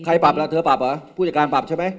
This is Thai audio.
ปรับล่ะเธอปรับเหรอผู้จัดการปรับใช่ไหม